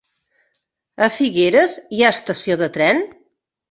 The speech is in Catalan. A Figueres hi ha estació de tren?